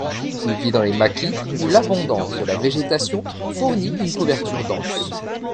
Il vit dans les maquis, où l'abondance de la végétation fournit une couverture dense.